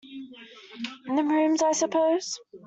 In the rooms, I suppose?